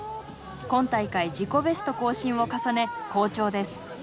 今大会自己ベスト更新を重ね好調です。